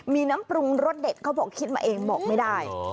มีน้ำปรุงรสเด็ดเขาบอกคิดมาเองบอกไม่ได้